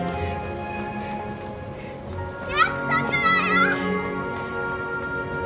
約束だよ！